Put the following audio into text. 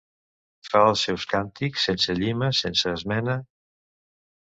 -Fa els seus càntics sense llima, sense esmena…